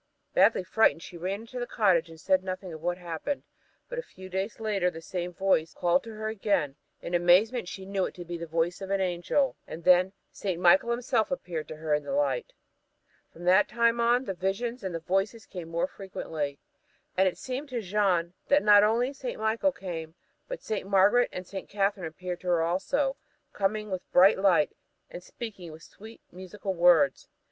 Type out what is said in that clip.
Badly frightened, she ran into the cottage and said nothing of what had happened; but a few days later the same voice called out to her again. In amazement she knew it to be the voice of an angel and then Saint Michael himself appeared to her in the light! From that time on the visions and the voices came more frequently. And it seemed to Jeanne that not only St. Michael came, but St. Margaret and St. Catherine appeared to her also, coming with a bright light, and speaking with sweet and musical words.